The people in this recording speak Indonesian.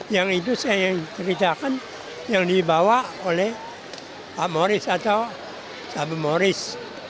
yang itu saya ceritakan yang dibawa oleh pak morris atau sahabat morris